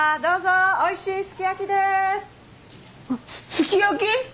すき焼き！？